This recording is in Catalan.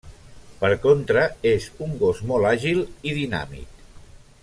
Per contra, és un gos molt àgil i dinàmic.